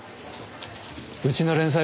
うちの連載